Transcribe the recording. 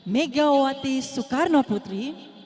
megawati soekarno putri